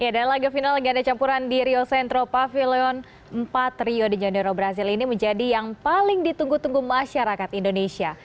laga final ganda campuran di rio centro pavilion empat rio de janeiro brazil ini menjadi yang paling ditunggu tunggu masyarakat indonesia